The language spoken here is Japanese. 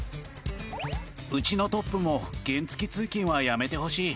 うちのトップも原付き通勤はやめてほしい。